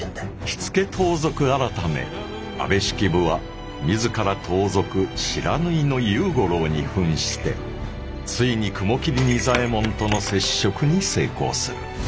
火付盗賊改安部式部は自ら盗賊不知火の勇五郎に扮してついに雲霧仁左衛門との接触に成功する。